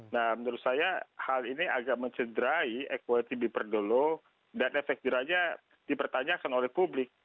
nah menurut saya hal ini agak mencederai ekualitas dipergeluh dan efek deranya dipertanyakan oleh publik